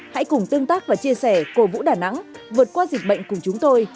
hãy cùng tương tác và chia sẻ cổ vũ đà nẵng vượt qua dịch bệnh cùng chúng tôi